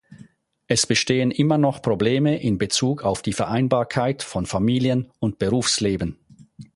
Es bestehen immer noch Probleme in Bezug auf die Vereinbarkeit von Familien- und Berufsleben.